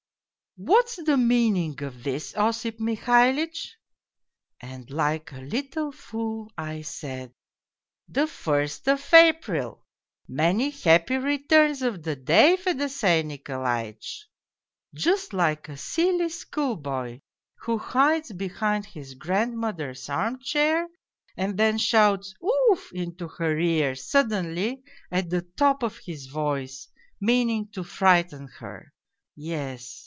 "?' What's the meaning of this, Osip Mihalitch ?' "And like a little fool I said "' The first of April ! Many happy returns of the day, Fedosey Nikolaitch !' just like a silly school boy who hides behind his grandmother's arm chair and then shouts ' oof ' into her ear suddenly at the top of his voice, meaning to frighten her. Yes